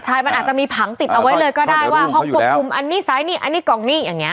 ใช่มันอาจจะมีผังติดเอาไว้เลยก็ได้ว่าห้องควบคุมอันนี้ซ้ายนี่อันนี้กล่องนี้อย่างนี้